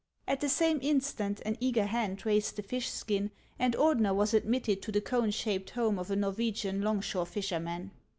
At the same instant an eager hand raised the fish skin, and Ordener was admitted to the cone shaped home of a Norwegian 'longshore fisherman.